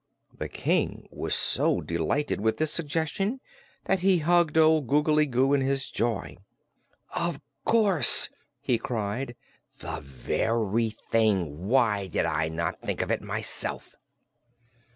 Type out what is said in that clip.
The King was so delighted with this suggestion that he hugged old Googly Goo in his joy. "Of course!" he cried. "The very thing. Why did I not think of it myself?"